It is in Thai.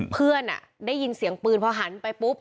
ได้ยินเสียงปืนพอหันไปปุ๊บ